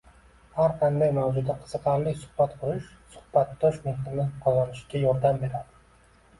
Har qanday mavzuda qiziqarli suhbat qurish suhbatdosh mehrini qozonishga yordam beradi.